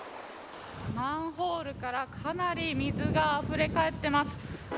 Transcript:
マンホールから、かなり水があふれ返っています。